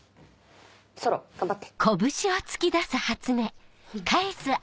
ソロ頑張って。